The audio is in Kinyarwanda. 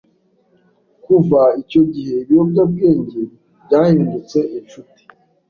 kuva icyo gihe ibiyobyabwenge byahindutse inshuti\